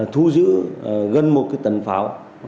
thu giữ gần một cái tầng pháo